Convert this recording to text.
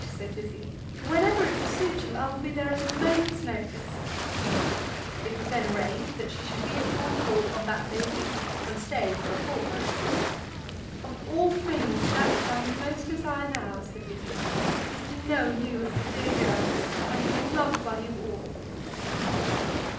said Lizzie. "Whenever it will suit you, I will be there at a minute's notice." It was then arranged that she should be at Fawn Court on that day week, and stay for a fortnight. "Of all things that which I most desire now," said Lizzie, "is to know you and the dear girls, and to be loved by you all."